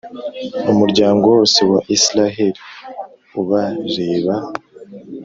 umuryango wose wa Israheli ubareba!